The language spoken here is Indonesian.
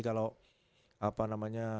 kalau apa namanya